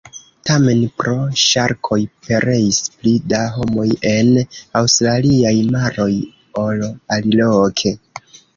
Tamen pro ŝarkoj pereis pli da homoj en aŭstraliaj maroj ol aliloke.